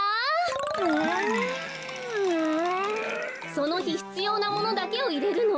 そのひひつようなものだけをいれるの。